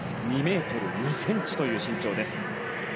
２ｍ２ｃｍという身長です。